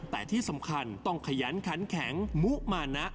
แต่ที่สำคัญต้องขยันขันแข็งมุมานะ